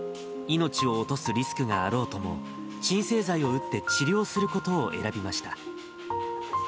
命を落とすリスクがあろうとも、鎮静剤を打って治療することを選びました。